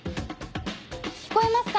聞こえますか？